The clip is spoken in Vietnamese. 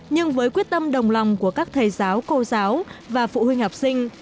nhưng với quyết tâm đồng lòng của các thầy giáo cô giáo và phụ huynh học sinh